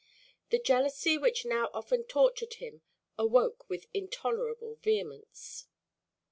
The jealousy which now often tortured him awoke with intolerable vehemence.